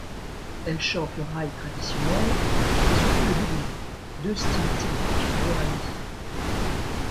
Elle chante le raï traditionnel mais surtout le bédoui, deux styles typiques d'Oranie.